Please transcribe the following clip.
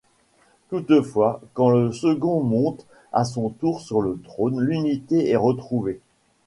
Toutefois quand le second monte à son tour sur le trône l'unité est retrouvée.